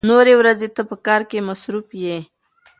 نورې ورځې ته په کار کې مصروف يې.